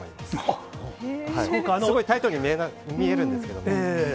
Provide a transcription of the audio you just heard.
すごいタイトに見えるんですけどね。